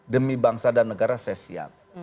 demi bangsa dan negara saya siap